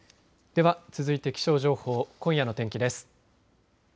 では続いて気象情報、今夜の天気です。